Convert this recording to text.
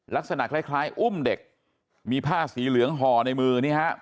ลักษณะคล้ายอุ้มเด็กมีผ้าสีเหลืองห่อในมือนี่ฮะ